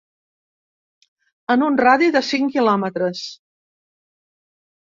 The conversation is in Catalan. En un radi de cinc quilòmetres.